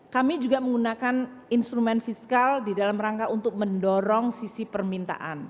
kami juga menggunakan instrumen fiskal di dalam rangka untuk mendorong sisi permintaan